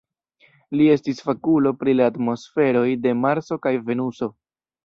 Li estis fakulo pri la atmosferoj de Marso kaj Venuso.